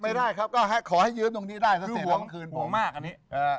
ไม่ได้ครับก็ขอให้ยืดตรงนี้ได้คือห่วงมากอันนี้